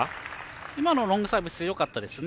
今のロングサービスよかったですね。